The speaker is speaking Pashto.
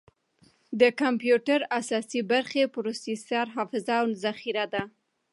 د کمپیوټر اساسي برخې پروسیسر، حافظه، او ذخیره ده.